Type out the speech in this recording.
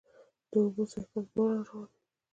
د اوبو سائیکل باران راولي.